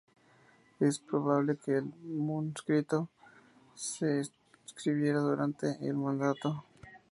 Es probable que el manuscrito se escribiera durante su mandato.